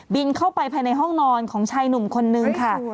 บินเข้าไปภายในห้องนอนของชายหนุ่มคนนึงค่ะ